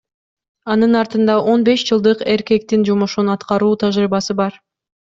Анын артында он беш жылдык эркектин жумушун аткаруу тажрыйбасы бар.